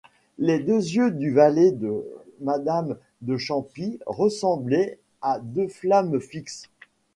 Les deux yeux du valet de madame de Champy ressemblaient à deux flammes fixes.